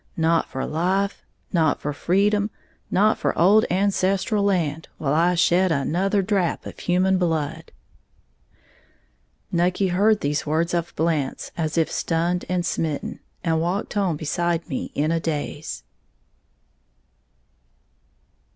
Not for life, not for freedom, not for old ancestral land, will I shed another drap of human blood!" Nucky heard these words of Blant's as if stunned and smitten, and walked home beside me in a daze.